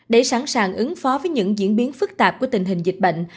để sẵn sàng ứng phó với những diễn biến phức tạp của tình hình dịch bệnh